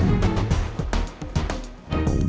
nanti pattanya neng